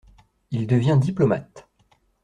Il devient diplomate.